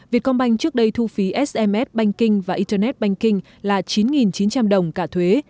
vietcombank trước đây thu phí sms banking và internet banking là chín chín trăm linh đồng cả thuế